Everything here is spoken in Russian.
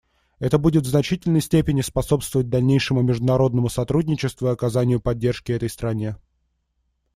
Это будет в значительной степени способствовать дальнейшему международному сотрудничеству и оказанию поддержки этой стране.